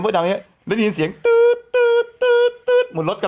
หนุ่มกัญชัยโทรมา